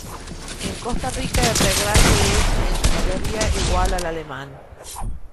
En Costa Rica el reglaje es en su mayoría igual al alemán.